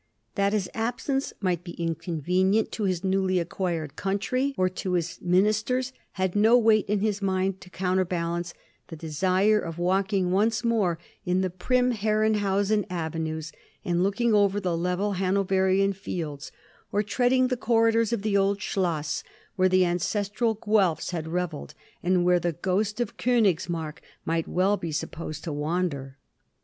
That his absence might be inconvenient to his newly acquired country or to his ministers had no weight in his mind to coimterbalance the desire of walking once more in the prim Herrenhausen avenues and looking over the level Hanoverian fields, or treading the corridors of the old Schloss, where the ancestral Guelphs had revelled, and where the ghost of Konigsmark might weU be supposed to wander.